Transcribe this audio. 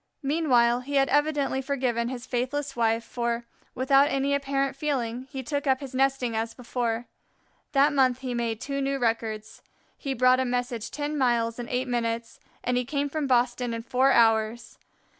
Meanwhile he had evidently forgiven his faithless wife, for, without any apparent feeling, he took up his nesting as before. That month he made two new records. He brought a message ten miles in eight minutes, and he came from Boston in four hours.